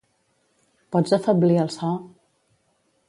Pots afeblir el so?